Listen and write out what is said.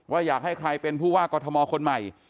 อยากให้ใครเป็นผู้ว่ากอทมคนใหม่